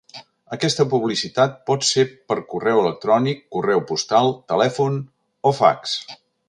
Aquesta publicitat pot ser per correu electrònic, correu postal, telèfon o fax.